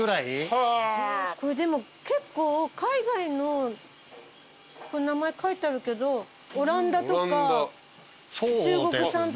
でも結構海外の名前書いてあるけどオランダとか中国産。